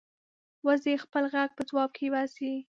وزې خپل غږ په ځواب کې باسي